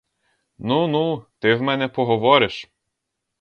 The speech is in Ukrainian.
Ну, ну, ти в мене поговориш!